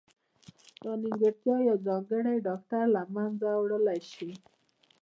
دا نیمګړتیا یو ځانګړی ډاکټر له منځه وړلای شي.